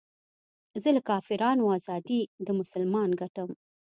زه له کافرانو ازادي د مسلمان ګټم